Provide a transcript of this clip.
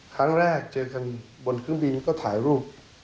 ครั้งแรกเจอกันบนเครื่องบินก็ถ่ายรูป